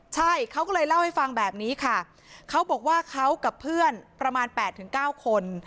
ใช่เขาก็เลยเล่าให้ฟังแบบนี้ค่ะเขาบอกว่าเขากับเพื่อนประมาณ๘๙คน